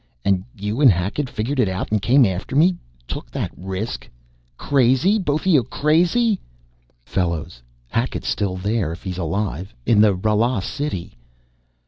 "And you and Hackett figured it out and came after me took that risk? Crazy, both of you. Crazy " "Fellows, Hackett's still there, if he's alive! In the Rala city!"